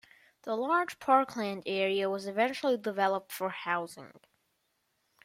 The large parkland area was eventually developed for housing.